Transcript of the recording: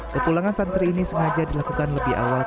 kepulangan santri ini sengaja dilakukan lebih awal